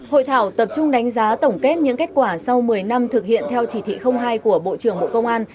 hội thảo tập trung đánh giá tổng kết những kết quả sau một mươi năm thực hiện theo chỉ thị hai của bộ trưởng bộ công an